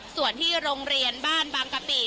ส่วนที่โรงเรียนบ้านบางกะปิ